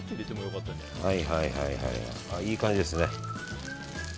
いい感じですね。